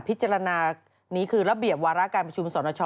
พิจารณานี้คือระเบียบวาระการประชุมสรณชอ